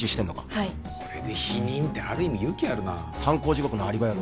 はいこれで否認ってある意味勇気あるな犯行時刻のアリバイは？